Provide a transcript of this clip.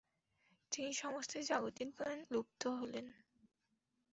তিনি সমস্ত জাগতিক জ্ঞান লুপ্ত হলেন।